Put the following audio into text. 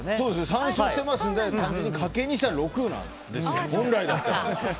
３勝してますので単純にかける２したら６なんです本来だったら。